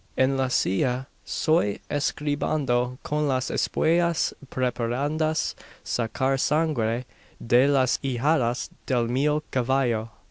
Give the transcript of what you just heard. En la silla soy escribando, con las espuelas preparadas sacar sangre de las ijadas del mio cavallo.